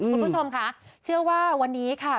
คุณผู้ชมค่ะเชื่อว่าวันนี้ค่ะ